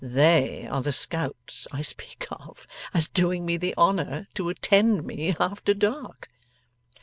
They are the scouts I speak of, as doing me the honour to attend me after dark.